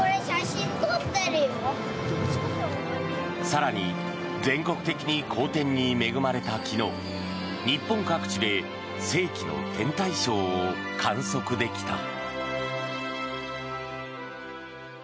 更に、全国的に好天に恵まれた昨日日本各地で世紀の天体ショーを観測できた。